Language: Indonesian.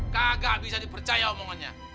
kagak bisa dipercaya omongannya